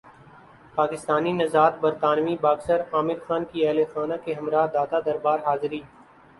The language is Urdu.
پاکستانی نژادبرطانوی باکسر عامر خان کی اہل خانہ کےہمراہ داتادربار حاضری